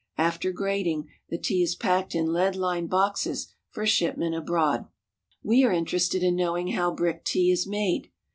After grading, the tea is packed in lead lined boxes for shipment abroad. We are interested in knowing how brick tea is made.